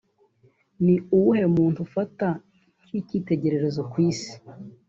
Ni uwuhe muntu ufata nk’icyitegererezo ku isi